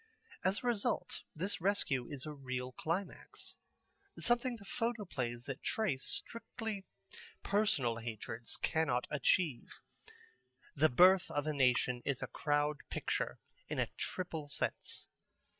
As a result this rescue is a real climax, something the photoplays that trace strictly personal hatreds cannot achieve. The Birth of a Nation is a Crowd Picture in a triple sense.